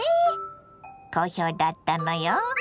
好評だったのよ。